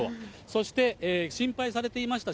そして心配されていました